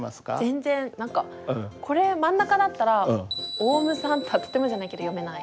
全然何かこれ真ん中だったら「おうむさん」とはとてもじゃないけど読めない。